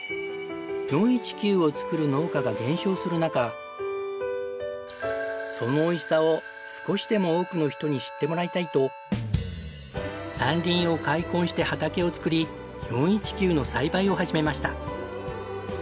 ４１９を作る農家が減少する中そのおいしさを少しでも多くの人に知ってもらいたいと山林を開墾して畑を作り４１９の栽培を始めました。